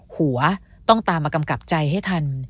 หัวต้องตามมากำกับใจให้ทัน